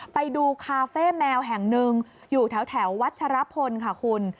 ไปดูคาเฟ่แมวแห่งหนึ่งอยู่แถววัชรพลค่ะคุณ